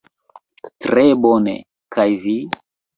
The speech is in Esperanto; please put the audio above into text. Tre bone, kaj vi?